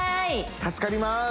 助かりまーす